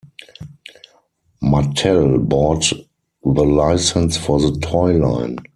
Mattel bought the license for the toy line.